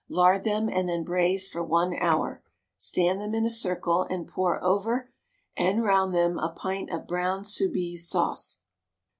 Lard them, and then braise for one hour. Stand them in a circle, and pour over and round them a pint of brown Soubise sauce.